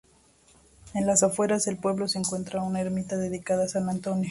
En las afueras del pueblo se encuentra una ermita dedicada a San Antonio.